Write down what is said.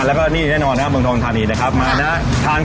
แล้วก็เมืองเอกค่ะ